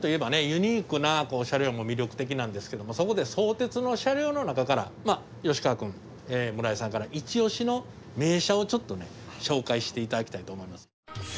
ユニークな車両も魅力的なんですけどもそこで相鉄の車両の中から吉川君村井さんからイチオシの名車をちょっとね紹介して頂きたいと思います。